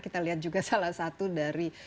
kita lihat juga salah satu dari